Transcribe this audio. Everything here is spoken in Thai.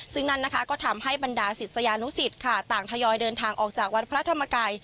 ซึ่งนั่นนะคะก็ทำให้บรรดาศิษยานุสิตค่ะต่างทยอยเดินทางออกจากวัดพระธรรมกาย